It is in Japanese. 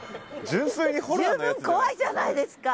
十分怖いじゃないですか。